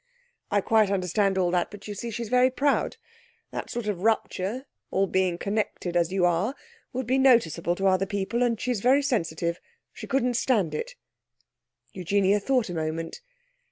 'I quite understand all that, but, you see, she's very proud. That sort of rupture all being connected as you are would be noticeable to other people, and she's very sensitive she couldn't stand it.' Eugenia thought a moment.